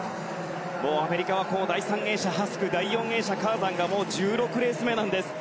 もうアメリカは第３泳者ハスク第４泳者カーザンがもう１６レース目なんです。